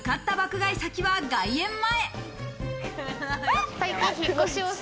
買い先は外苑前。